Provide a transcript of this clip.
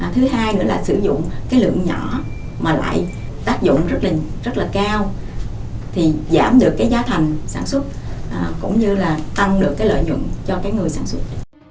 thứ hai nữa là sử dụng cái lượng nhỏ mà lại tác dụng rất là rất là cao thì giảm được cái giá thành sản xuất cũng như là tăng được cái lợi nhuận cho cái người sản xuất